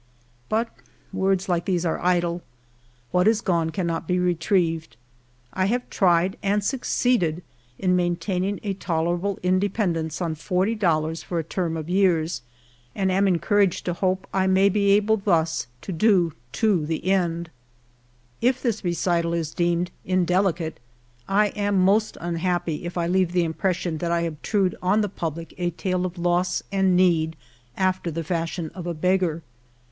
But words like these are idle. What is gone cannot be retrieved. I have tried and succeeded in maintaining a tolerable independence on forty dollars for a term of years, and am encouraged to hope I may be able thus to do to the end. 32 HALF A DIME A PAY. If tliis recital is deetned indelicate, I am most imliai)py it I leave the impression that I obtrude on the public a tale of loss and need after the fashion of a beggar.